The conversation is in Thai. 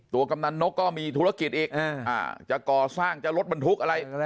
กำนันนกก็มีธุรกิจอีกจะก่อสร้างจะรถบรรทุกอะไร